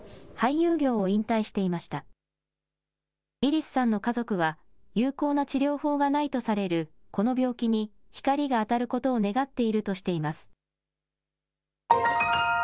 ウィリスさんの家族は、有効な治療法がないとされるこの病気に光が当たることを願っているとしています。